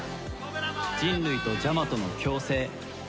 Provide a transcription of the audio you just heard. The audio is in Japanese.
「人類とジャマトの共生」